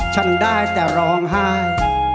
ฉันได้แต่ร้องไห้